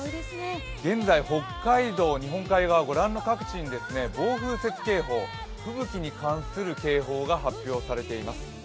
現在、北海道、日本海側、ご覧の各地に暴風雪警報吹雪に関する警報が発表されています。